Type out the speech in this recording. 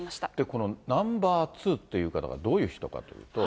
このナンバー２という方がどういう人かというと。